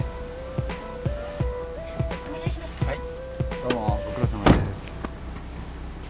どうもご苦労さまです。